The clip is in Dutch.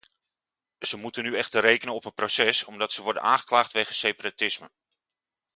Zij moeten nu echter rekenen op een proces, omdat ze worden aangeklaagd wegens separatisme.